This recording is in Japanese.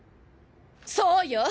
そうよ！